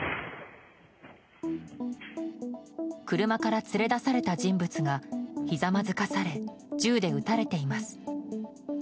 車から連れ出された人物がひざまずかされ銃で撃たれています。